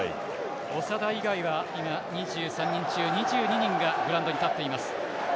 長田以外は今、２３人中２２人がグラウンドに立っています。